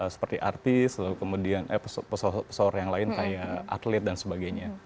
seperti artis lalu kemudian eh pesohor yang lain kayak atlet dan sebagainya